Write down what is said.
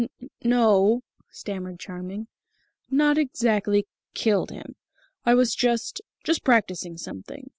"No, n no," stammered Charming, "not exactly killed him. I was just just practising something.